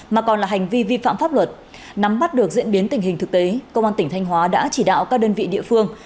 mà còn là hành vi vi phạm pháp luật nắm bắt được diễn biến tình hình thực tế công an tỉnh thanh hóa đã chỉ đạo các đơn vị địa phương